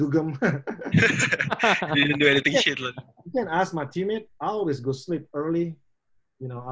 kamu bisa tanya teman teman aku selalu tidur awal